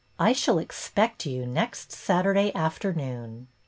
I shall expect you next Saturday afternoon."